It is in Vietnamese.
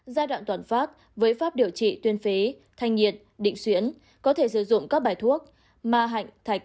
giai đoạn toàn phát với pháp điều trị tuyên phế thanh nhiệt định xuyến có thể sử dụng các bài thuốc ma hạnh thạch